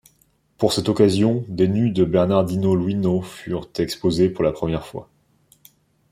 Pour cette occasion, des nus de Bernardino Luino furent exposés pour la première fois.